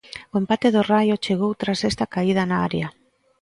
O empate do Raio chegou tras esta caída na área.